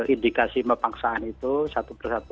indikasi memaksaan itu satu persatu